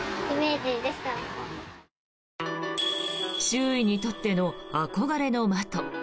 周囲にとっての憧れの的。